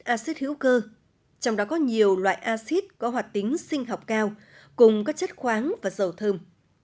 acid hữu cơ trong đó có nhiều loại acid có hoạt tính sinh học cao cùng các chất khoáng và dầu thơm